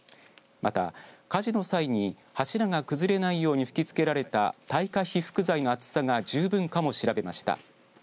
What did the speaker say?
また、火事の際に柱が崩れないように吹きつけられた耐火被覆材の厚さが十分かも調べました。